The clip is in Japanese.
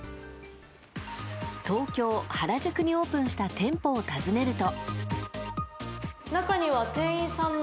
東京・原宿にオープンした店舗を訪ねると。